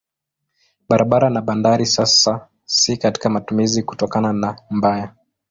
Barabara na bandari sasa si katika matumizi kutokana na mbaya.